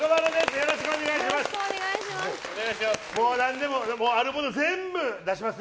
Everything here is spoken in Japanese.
よろしくお願いします！